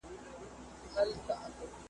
بله چي وي راز د زندګۍ لري `